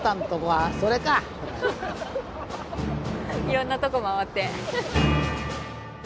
いろんなとこ回って。